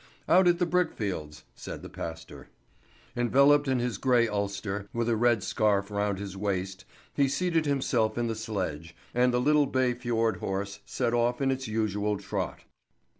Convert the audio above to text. "Out at the brickfields," said the pastor. Enveloped in his grey ulster, with a red scarf round his waist, he seated himself in the sledge, and the little bay fjord horse set off in its usual trot.